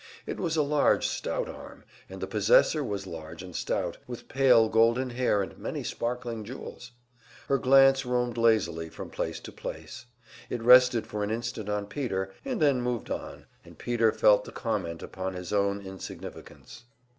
It was a large stout arm, and the possessor was large and stout, with pale golden hair and many sparkling jewels. Her glance roamed lazily from place to place. It rested for an instant on Peter, and then moved on, and Peter felt the comment upon his own insignificance.